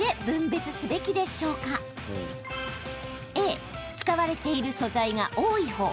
Ａ・使われている素材が多いほう。